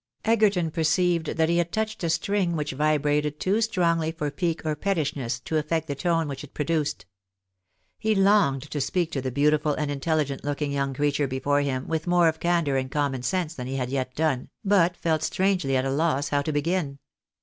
Egerton perceived that he had touched a string which vibrated too strongly for pique or pettishness to effect the tone which it produced. He longed to speak to the beautiful and intelligent looking young creature before him with more of candour and com mon sense than he had yet done, but felt strangely at a loss how to begin.